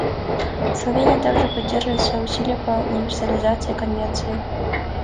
Словения также поддерживает все усилия по универсализации Конвенции.